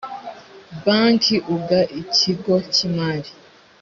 banki uga ikigo cy imari